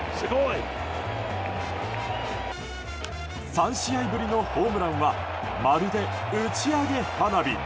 ３試合ぶりのホームランはまるで打ち上げ花火。